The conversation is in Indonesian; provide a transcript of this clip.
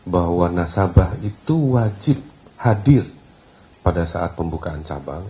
bahwa nasabah itu wajib hadir pada saat pembukaan cabang